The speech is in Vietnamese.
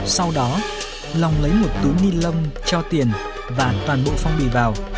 sau đó lòng lấy một túi ni lâm cho tiền và toàn bộ phong bì vào